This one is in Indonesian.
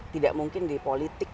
tidak mungkin di politik